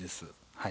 はい。